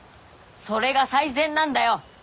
それが最善なんだよ！